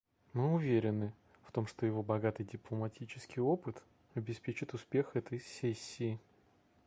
Мы уверены в том, что его богатый дипломатический опыт обеспечит успех этой сессии.